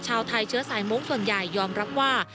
ชาวไทยเชื้อสายมงค์ส่วนใหญ่ยอมรับว่า